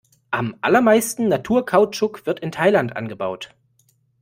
Am allermeisten Naturkautschuk wird in Thailand angebaut.